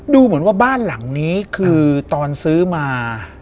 ดูเหมือนว่าบ้านหลังนี้คือตอนซื้อมา